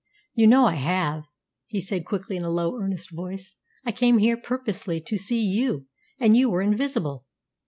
"You know I have!" he said quickly in a low, earnest voice. "I came here purposely to see you, and you were invisible.